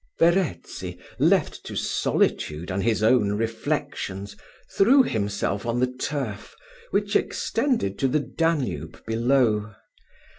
Verezzi, left to solitude and his own reflections, threw himself on the turf, which extended to the Danube below.